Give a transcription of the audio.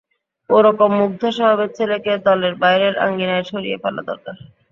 ও-রকম মুগ্ধ স্বভাবের ছেলেকে দলের বাইরের আঙিনায় সরিয়ে ফেলা দরকার।